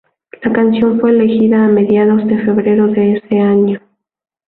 La canción fue elegida a mediados de febrero de ese año.